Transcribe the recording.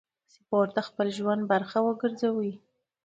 سپورت د خپل ژوند برخه وګرځوئ.